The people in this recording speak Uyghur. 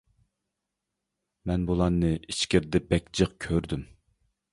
مەن بۇلارنى ئىچكىرىدە بەك جىق كۆردۈم.